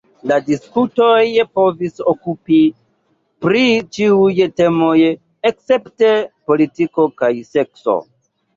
La diskutoj povis okupi pri ĉiuj temoj escepte politiko kaj sekso.